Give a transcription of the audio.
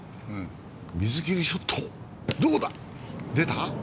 水切りショット、どうだ？